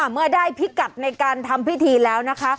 เมื่อได้พิกัดในการทำพิธีแล้วนะคะ